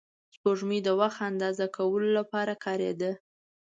سپوږمۍ د وخت اندازه کولو لپاره کارېده